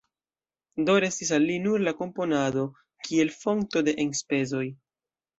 Do restis al li nur la komponado kiel fonto de enspezoj.